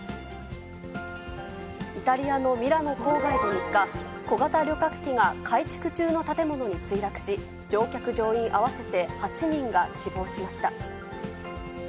イタリアのミラノ郊外で３日、小型旅客機が改築中の建物に墜落し、乗客・乗員合わせて８人が死亡しました。